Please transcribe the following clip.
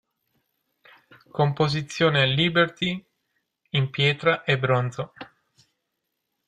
Composizione Liberty in pietra e bronzo.